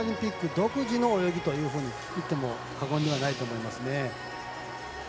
独自の泳ぎというふうに言っても過言ではないと思いますね。